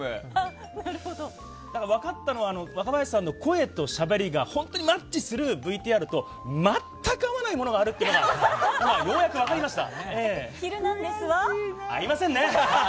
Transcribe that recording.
分かったのは若林さんの声としゃべりが本当にマッチするＶＴＲと全く合わないものがあるっていうのがようやく分かりました。